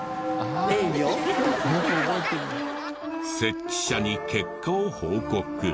設置者に結果を報告。